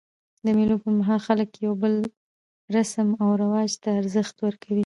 د مېلو پر مهال خلک د یو بل رسم و رواج ته ارزښت ورکوي.